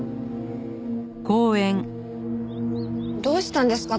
どうしたんですか？